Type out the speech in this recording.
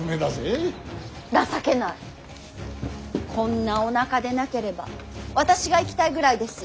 こんなおなかでなければ私が行きたいぐらいです。